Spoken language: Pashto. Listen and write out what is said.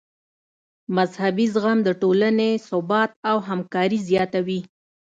مذهبي زغم د ټولنې ثبات او همکاري زیاتوي.